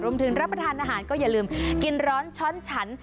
รับประทานอาหารก็อย่าลืมกินร้อนช้อนฉัน